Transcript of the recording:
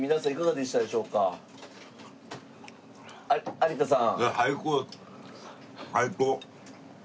有田さん。